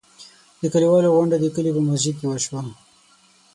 د کلیوالو غونډه د کلي په مسجد کې وشوه.